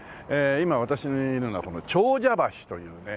今私がいるのは長者橋というね